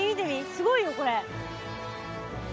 すごいよこれ。